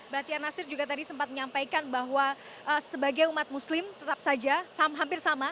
bahtiar nasir juga tadi sempat menyampaikan bahwa sebagai umat muslim tetap saja hampir sama